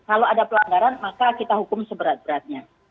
kalau ada pelanggaran maka kita hukum seberatnya